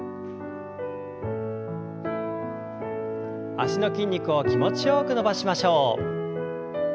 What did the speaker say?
脚の筋肉を気持ちよく伸ばしましょう。